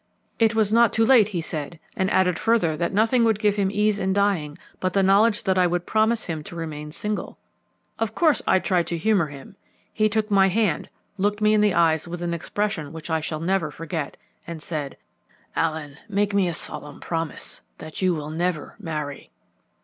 It was not too late, he said, and added further that nothing would give him ease in dying but the knowledge that I would promise him to remain single. Of course I tried to humour him. He took my hand, looked me in the eyes with an expression which I shall never forget, and said, "'Allen, make me a solemn promise that you will never marry.'